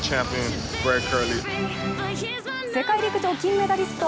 世界陸上金メダリスト